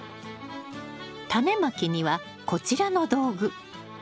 タネまきにはこちらの道具。